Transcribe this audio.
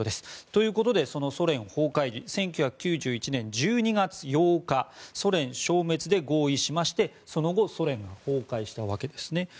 ということで、ソ連崩壊時１９９１年１２月８日ソ連消滅で合意しまして、その後ソ連は崩壊したわけですね。